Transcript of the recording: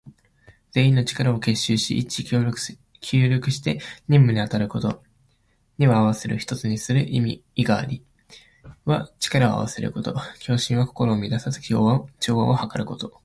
全員の力を結集し、一致協力して任務に当たること。「戮」には合わせる、一つにする意があり、「戮力」は力を合わせること。「協心」は心を乱さず、調和をはかること。